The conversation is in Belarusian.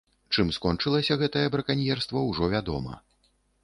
Чым скончылася гэтае браканьерства, ужо вядома.